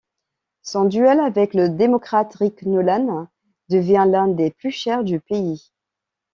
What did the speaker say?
Son duel avec le démocrate Rick Nolan devient l'un des plus chers du pays.